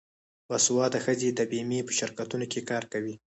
باسواده ښځې د بیمې په شرکتونو کې کار کوي.